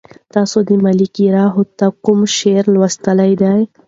تاسو د ملکیار هوتک کوم شعر لوستی دی؟